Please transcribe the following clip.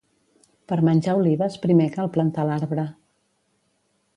Per menjar olives primer cal plantar l'arbre